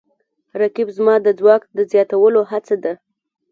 رقیب زما د ځواک د زیاتولو هڅه ده